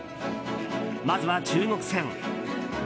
まずは中国戦。